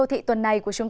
thật là lạc động